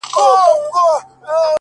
• درزهار وو د توپکو د توپونو ,